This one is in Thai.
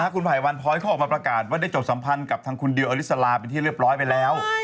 คุณไผ่วันพ้อยเขาออกมาประกาศว่าได้จบสัมพันธ์กับทางคุณดิวอลิสลาเป็นที่เรียบร้อยไปแล้ว